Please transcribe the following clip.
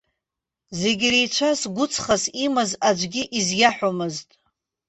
Зегьы иреицәаз, гәыҵхас имаз аӡәгьы изиаҳәомызт.